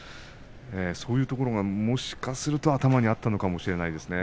そういうところが、もしかすると阿炎の頭の中にあったのかもしれません。